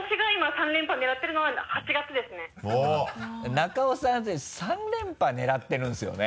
中尾さんって３連覇狙ってるんですよね？